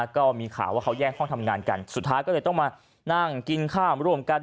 ก็มีข่าวว่าเขาแยกห้องทำงานกันสุดท้ายก็เลยต้องมานั่งกินข้าวร่วมกัน